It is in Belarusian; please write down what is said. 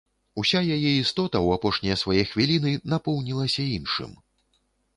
Уся яе істота ў апошнія свае хвіліны напоўнілася іншым.